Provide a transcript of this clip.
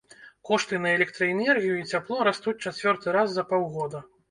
Кошты на электраэнергію і цяпло растуць чацвёрты раз за паўгода!